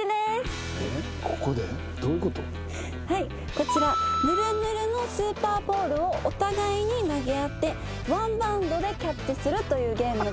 こちらぬるぬるのスーパーボールをお互いに投げ合ってワンバウンドでキャッチするというゲームです。